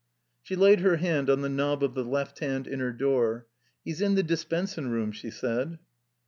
She laid her hand on the knob of the left hand inner door. ''He's in the dispensin' room," she said.